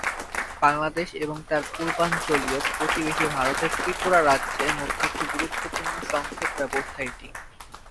বাংলাদেশ এবং তার পূর্বাঞ্চলীয় প্রতিবেশী ভারতের ত্রিপুরা রাজ্যের মধ্যে একটি গুরুত্বপূর্ণ সংযোগ ব্যবস্থা এটি।